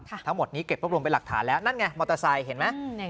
ทั้งหมดนี้เก็บรวบรวมเป็นหลักฐานแล้วนั่นไงมอเตอร์ไซค์เห็นไหม